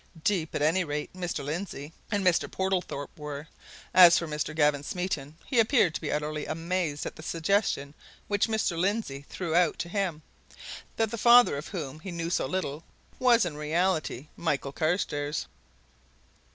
Deep, at any rate, Mr. Lindsey and Mr. Portlethorpe were; as for Mr. Gavin Smeaton, he appeared to be utterly amazed at the suggestion which Mr. Lindsey threw out to him that the father of whom he knew so little was, in reality, Michael Carstairs.